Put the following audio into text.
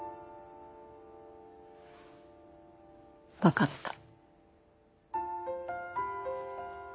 分かった。